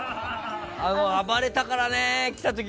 暴れたからね。来た時。